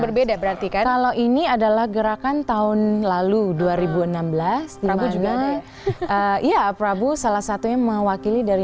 berbeda berarti kalau ini adalah gerakan tahun lalu dua ribu enam belas namanya iya prabu salah satunya mewakili dari